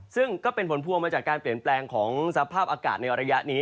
ซึ่งก็เป็นผลพวงมาจากการเปลี่ยนแปลงของสภาพอากาศในระยะนี้